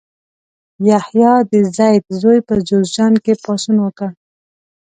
یحیی د زید زوی په جوزجان کې پاڅون وکړ.